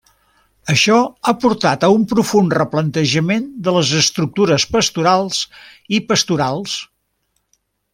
Això ha portat a un profund replantejament de les estructures pastorals i pastorals.